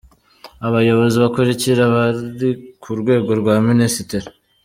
Abayobozi bakurikira bari ku rwego rwa Minisitiri :